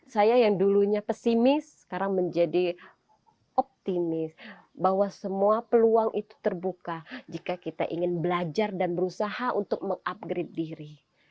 saya yang dulunya pesimis sekarang menjadi optimis bahwa semua peluang itu terbuka jika kita ingin belajar dan berusaha untuk mengupgrade diri